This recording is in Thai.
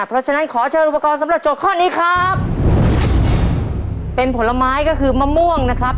เพราะฉะนั้นขอเชิญอุปกรณ์สำหรับโจทย์ข้อนี้ครับเป็นผลไม้ก็คือมะม่วงนะครับ